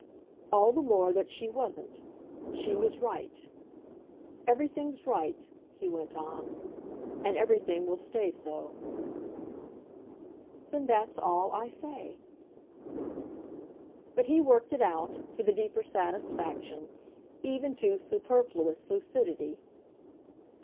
"All the more that she wasn't. She was right. Everything's right," he went on, "and everything will stay so." "Then that's all I say." But he worked it out, for the deeper satisfaction, even to superfluous lucidity.